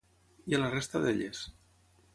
I a la resta d'elles?